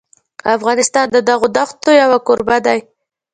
افغانستان د دغو دښتو یو کوربه دی.